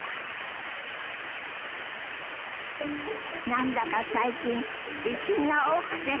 何だか最近地震が多くて。